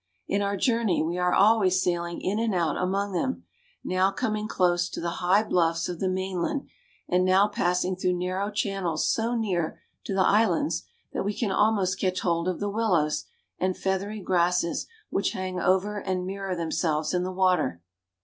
In our journey we are always sailing in and out among them, now coming close to the high bluffs of the mainland, and now passing through narrow channels so near to the islands that we can almost catch hold of the willows and feathery grasses which hang over and mirror themselves in the water.